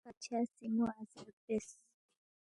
بادشاہ سی مو آزاد بیاس